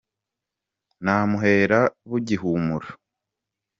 Namuhera bugihumura